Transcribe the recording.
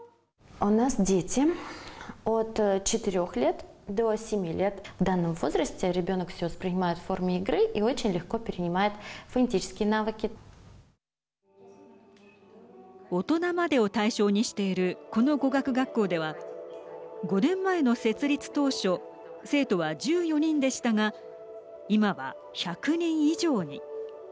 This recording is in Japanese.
大人までを対象にしているこの語学学校では５年前の設立当初生徒は１４人でしたが今は１００人以上に。